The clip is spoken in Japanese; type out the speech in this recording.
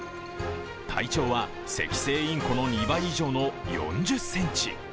体長はセキセイインコの２倍以上の４０ｃｍ。